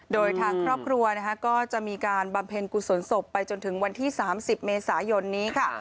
โดยทางครอบครัวนะคะก็จะมีการบำเพ็ญกุศลศพไปจนถึงวันที่๓๐เมษายนนี้ค่ะ